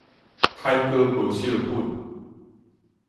癩⿸疒哥無惜份